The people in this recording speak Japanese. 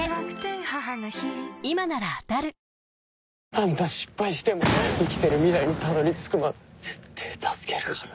「何度失敗しても生きてる未来にたどり着くまで絶対助けるから」